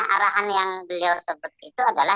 arahan yang beliau sebut itu adalah